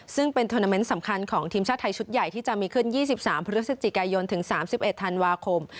ซึ่งเป็นทวนาเมนต์สำคัญของทีมชาติไทยชุดใหญ่ที่จะมีขึ้น๒๓พฤศจิกายนถึง๓๑ธันวาคม